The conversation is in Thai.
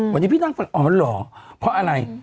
วันนี้พี่นั่งฟังอ๋อเหรอเพราะอะไร